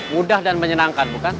mudah dan menyenangkan bukan